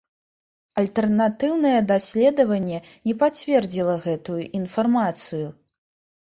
Альтэрнатыўнае даследаванне не пацвердзіла гэтую інфармацыю.